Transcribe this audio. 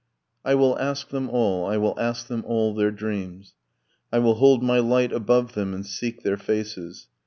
'I will ask them all, I will ask them all their dreams, I will hold my light above them and seek their faces.